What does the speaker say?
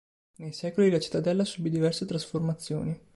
Nei secoli la Cittadella subì diverse trasformazioni.